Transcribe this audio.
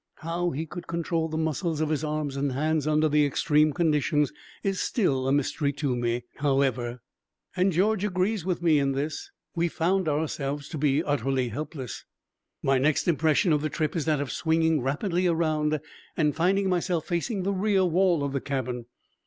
How he could control the muscles of his arms and hands under the extreme conditions is still a mystery to me, however, and George agrees with me in this. We found ourselves to be utterly helpless. My next impression of the trip is that of swinging rapidly around and finding myself facing the rear wall of the cabin.